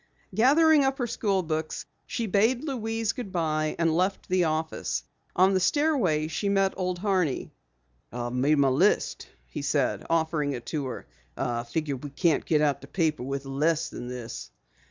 Gathering up her school books, she bade Louise good bye and left the office. On the stairway she met Old Horney. "I've made my list," he said, offering it to her. "I figure we can't get out the paper with less than this."